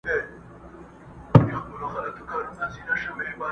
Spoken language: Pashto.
تر خپل ځان پسته لكۍ يې كړله لاندي!!